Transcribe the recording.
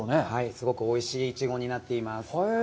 すごくおいしいイチゴになっています。